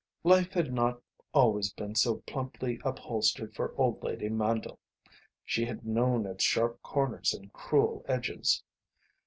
Life had not always been so plumply upholstered for old lady Mandle. She had known its sharp corners and cruel edges.